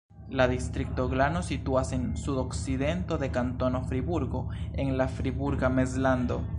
La distrikto Glano situas en sudokcidento de Kantono Friburgo en la Friburga Mezlando.